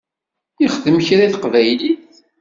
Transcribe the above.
Yexdem kra i teqbaylit?